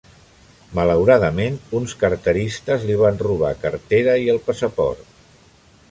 Malauradament, uns carteristes li van robar cartera i el passaport.